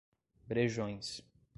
Brejões